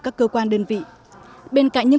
các cơ quan đơn vị bên cạnh những